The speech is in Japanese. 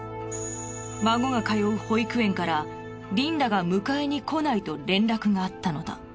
孫が通う保育園からリンダが迎えに来ないと連絡があったのだ。